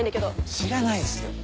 知らないっすよ。